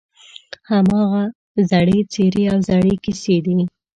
هماغه زړې څېرې او زړې کیسې دي.